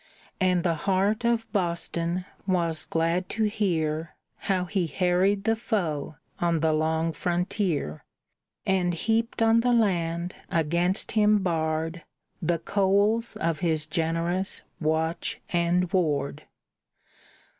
And the heart of Boston was glad to hear How he harried the foe on the long frontier. And heaped on the land against him barred The coals of his generous watch and ward.